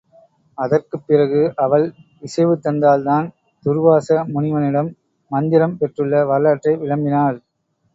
அதற்குப்பிறகு அவள் இசைவுதந்தாள் தான் துர்வாச முனிவனிடம் மந்திரம் பெற்றுள்ள வரலாற்றை விளம்பினாள்.